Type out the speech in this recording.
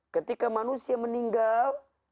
ketika manusia meninggal